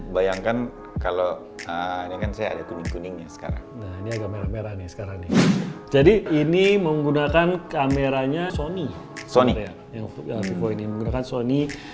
bayangkan kalau ini agak merah merah nih sekarang jadi ini menggunakan kameranya sony sony sony